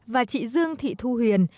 và chị dương thị thu hiền